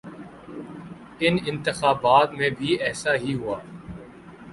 ان انتخابات میں بھی ایسا ہی ہوا۔